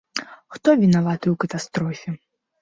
Хто вінаваты ў катастрофе?